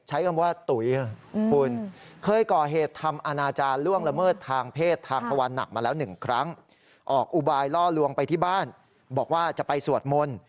ใช้คำว่าตุ๋ยคุณเคยก่อเหตุทำอนาจารย์ล่วงละเมิดทางเพศทางพวันหนักมาแล้ว๑ครั้งออกอุบายล่อลวงไปที่บ้านบอกว่าจะไปสวดมนต์